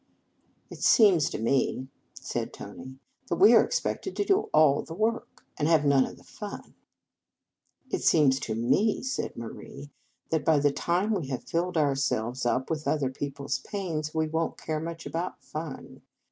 " It seems to me," said Tony, " that we are expected to do all the work, and have none of the fun." " It seems to me" said Marie, " that by the time we have filled ourselves up with other people s pains, we won t care much about fun.